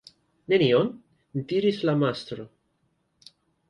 "Nenion?" diris la mastro.